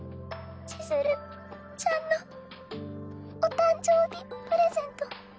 千鶴ちゃんのお誕生日プレゼント